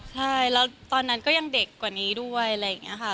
ใช่แล้วตอนนั้นก็ยังเด็กกว่านี้ด้วยอะไรอย่างนี้ค่ะ